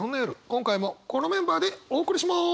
今回もこのメンバーでお送りします！